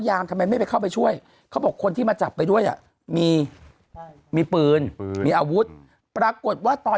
ยามทำไมไม่เข้าไปช่วยทอบบทคนที่มาจับไปด้วยมีปืนมีอาวุธปรากฏว่าตอน